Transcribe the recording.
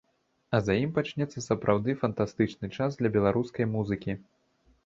А за ім пачнецца сапраўды фантастычны час для беларускай музыкі.